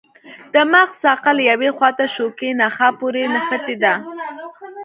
د مغز ساقه له یوې خواته شوکي نخاع پورې نښتې ده.